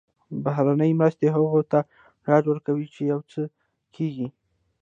بهرنۍ مرستې هغوی ته ډاډ ورکوي چې یو څه کېږي.